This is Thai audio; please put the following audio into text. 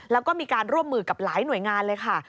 แล้วก็มีการร่วมมือกับหลายหน่วยงานเลยค่ะ